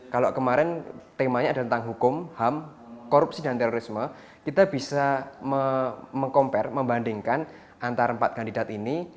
kalau kemarin temanya ada tentang hukum ham korupsi dan terorisme kita bisa meng compare membandingkan antara empat kandidat ini